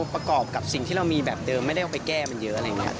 ประกอบกับสิ่งที่เรามีแบบเดิมไม่ได้เอาไปแก้มันเยอะอะไรอย่างนี้